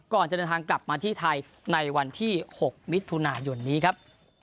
ก่อนจะเดินทางกลับมาที่ไทยในวันที่๖มิถุนายนนี้ครับ